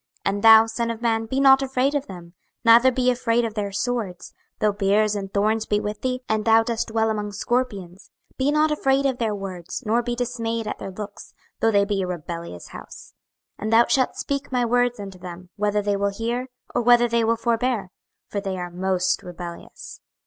26:002:006 And thou, son of man, be not afraid of them, neither be afraid of their words, though briers and thorns be with thee, and thou dost dwell among scorpions: be not afraid of their words, nor be dismayed at their looks, though they be a rebellious house. 26:002:007 And thou shalt speak my words unto them, whether they will hear, or whether they will forbear: for they are most rebellious.